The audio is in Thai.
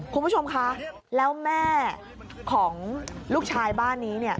คุณผู้ชมคะแล้วแม่ของลูกชายบ้านนี้เนี่ย